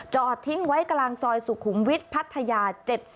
จอดทิ้งไว้กลางซอยสุขุมวิทย์พัทยา๗๐